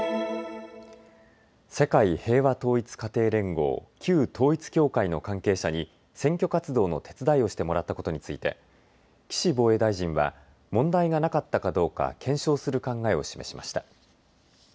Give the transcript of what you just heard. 世界平和統一家庭連合、旧統一教会の関係者に選挙活動の手伝いをしてもらったことについて岸防衛大臣は問題がなかったかどうか検証する考えを示しました。